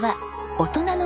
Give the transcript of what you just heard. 大人の？